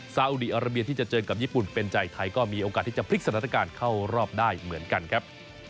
ซาอุดีอาราเบียที่จะเจอกับญี่ปุ่นเป็นใจไทยก็มีโอกาสที่จะพลิกสถานการณ์เข้ารอบได้เหมือนกันครับ